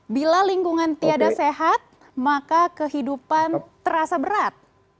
bila lingkungan tiada sehat maka kehidupan terasa berat